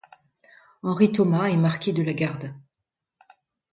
Henri Thomas est marquis de La Garde.